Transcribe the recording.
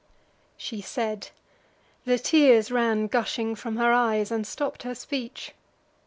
She said: the tears ran gushing from her eyes, And stopp'd her speech.